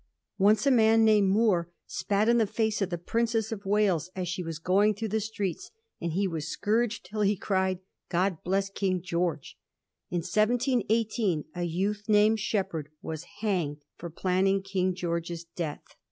Once a man named Moor spat in the face of the Princess of Wales as she was going through the streets, and he was scourged till he cried ' God bless King George!' In 1718 a youth named Sheppard was hanged for planning King George's death.